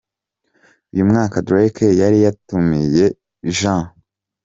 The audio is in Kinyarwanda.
Uyu mwaka Drake yari yatumiye J.